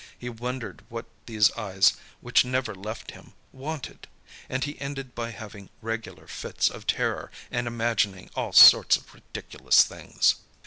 He wondered what these eyes which never left him, wanted; and he ended by having regular fits of terror, and imagining all sorts of ridiculous things.